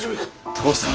父さん。